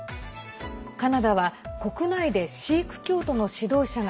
カナダは国内でシーク教徒の指導者が